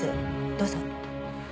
どうぞ。